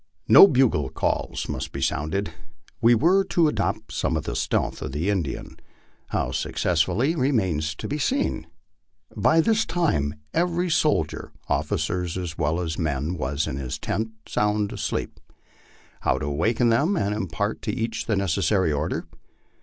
No bugle calls must be sounded; we were to adopt some of the stealth of the Indian how successfully remains to be seen. By this time every soldier, officers as well as men, was in his tent sound asleep. How to awaken them and impart to each the necessary order?